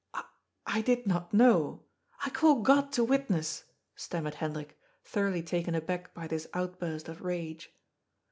^^ I did not know. I call God to witness," stammered Hendrik, thoroughly taken aback by this outburst of rage.